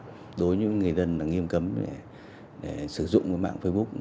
đối với những người dân nghiêm cấm sử dụng mạng facebook